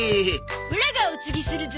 オラがおつぎするゾ。